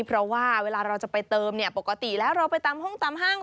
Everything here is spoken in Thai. เพราะว่าเวลาเราจะไปเติมเนี่ยปกติแล้วเราไปตามห้องตามห้าง